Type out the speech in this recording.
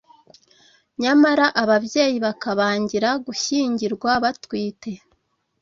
nyamara ababyeyi bakabangira gushyingirwa batwite